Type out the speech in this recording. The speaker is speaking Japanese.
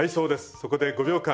そこで５秒間。